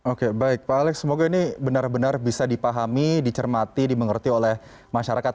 oke baik pak alex semoga ini benar benar bisa dipahami dicermati dimengerti oleh masyarakat